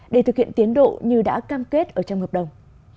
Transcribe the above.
để thực hiện tiến độ như đã cam kết ở trong hợp đồng